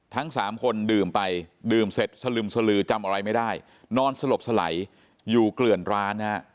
ทั้งสามคนดื่มไปดื่มเสร็จสลึมสลือจำอะไรไม่ได้นอนสลบสไหลอยู่เกลื่อนร้านฮะ